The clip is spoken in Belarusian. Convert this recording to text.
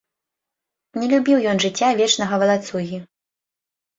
Не любіў ён жыцця вечнага валацугі.